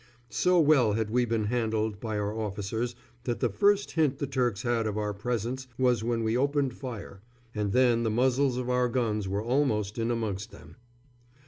So well had we been handled by our officers that the first hint the Turks had of our presence was when we opened fire, and then the muzzles of our guns were almost in amongst them.